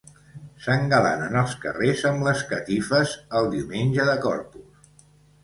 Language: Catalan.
S'engalanen els carrers amb les catifes, el diumenge de Corpus.